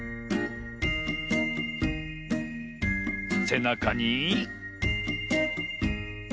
せなかに。